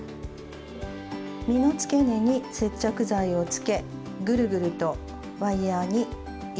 実のつけ根に接着剤をつけぐるぐるとワイヤーに糸を巻きつけていきます。